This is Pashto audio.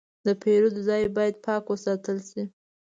د پیرود ځای باید پاک وساتل شي.